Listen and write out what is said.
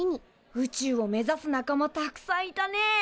宇宙を目ざす仲間たくさんいたね。